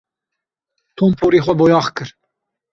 Tom porê xwe boyax kir.